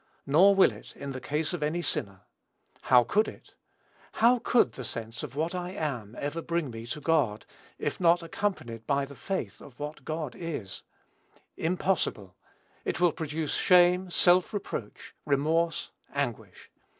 Nor will it, in the case of any sinner. How could it? How could the sense of what I am ever bring me to God, if not accompanied by the faith of what God is? Impossible: it will produce shame, self reproach, remorse, anguish.